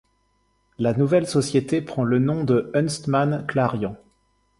La nouvelle société prend le nom de Hunstman-Clariant.